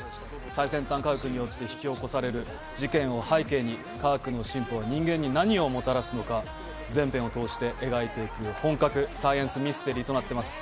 最先端科学によって引き起こされる事件を背景に科学の進歩は人間に何をもたらすのか、全編を通して描いていく本格サイエンスミステリーとなってます。